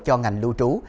cho ngành lưu trú